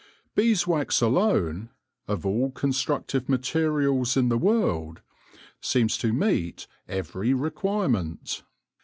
Beeswax alone, of all constructive materials in the world, seems to meet every requirement.